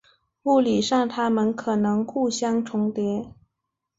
物理上它们可能互相重叠。